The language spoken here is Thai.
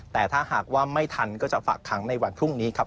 แต่ถ้าหากว่าไม่ทันก็จะฝากขังในวันพรุ่งนี้ครับ